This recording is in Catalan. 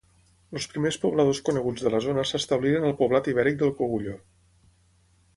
Els primers pobladors coneguts de la zona s'establiren al poblat ibèric del Cogulló.